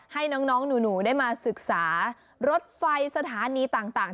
ให้น้องหนูได้มาศึกษารถไฟสถานีต่าง